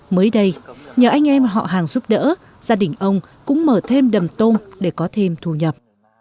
mới đây nhờ anh em họ hàng giúp đỡ gia đình ông cũng mở thêm đầm tôm để có thêm thu nhập